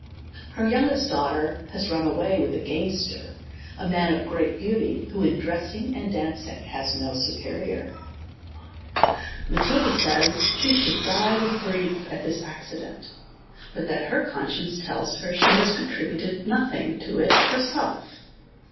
Her youngest daughter is run away with a game ster, a man of great beauty, who in dressing and danc ing has no superior, Matilda says, she should die with grief at this acci dent, but that her conscience tells her she has contri buted nothing to it herself.